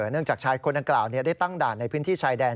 จากชายคนดังกล่าวได้ตั้งด่านในพื้นที่ชายแดน